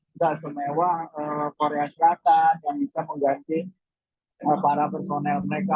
tidak semewah korea selatan yang bisa mengganti para personel mereka